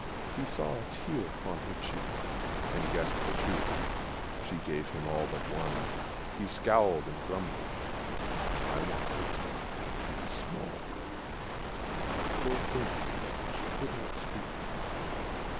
He saw a tear upon her cheek, And guessed the truth. She gave him all but one. He scowled and grumbled: "I want the key to the small room!" Poor thing, she could not speak!